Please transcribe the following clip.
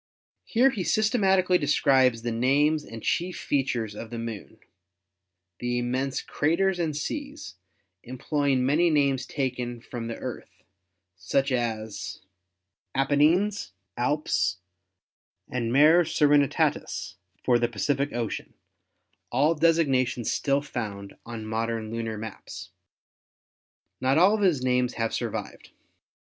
Here he sys tematically describes and names the chief features of the Moon, the immense craters and seas, employing many names taken from the Earth, such as Apennines, Alps, and Mare Serenitatis for the Pacific Ocean, all designa tions still found on modern lunar maps. Not all of his names have survived.